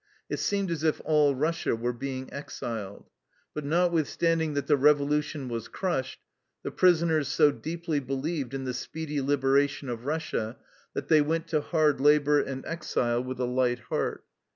It seemed as if all Russia were being exiled. But notwith standing that the revolution was crushed, the prisoners so deeply believed in the speedy lib eration of Russia that they went to hard labor and exile with a light heart.